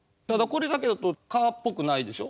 これだけだと蚊っぽくないでしょ。